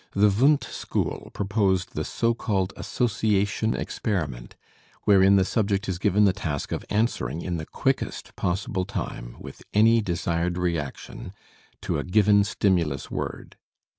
The Wundt school proposed the so called association experiment, wherein the subject is given the task of answering in the quickest possible time, with any desired reaction, to a given stimulus word.